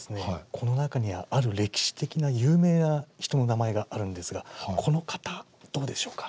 この中にはある歴史的な有名な人の名前があるんですがこの方どうでしょうか？